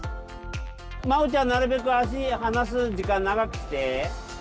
まおちゃんなるべく足離す時間長くして。